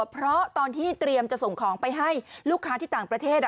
เพราะตอนที่เตรียมจะส่งของไปให้ลูกค้าที่ต่างประเทศ